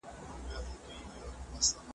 ډېر مو په لیلا پسي تڼاکي سولولي دي `